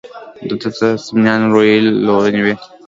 د ده د صمیمانه رویې لورونې وې.